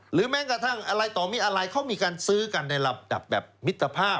แม้กระทั่งอะไรต่อมิอะไรเขามีการซื้อกันในระดับแบบมิตรภาพ